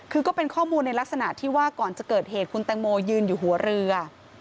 คือก็เป็นข้อมูลในลักษณะที่ว่าก่อนจะเกิดเหตุคุณแตงโมยืนอยู่หัวเรือ